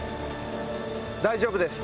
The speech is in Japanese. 大丈夫です。